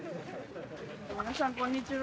皆さんこんにちは。